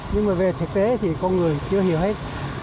nhưng mà về thực tế thì con người chưa hiểu hết